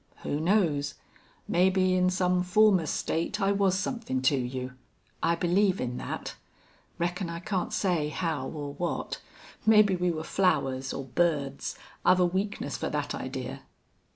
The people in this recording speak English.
Who knows? Maybe in some former state I was somethin' to you. I believe in that. Reckon I can't say how or what. Maybe we were flowers or birds. I've a weakness for that idea."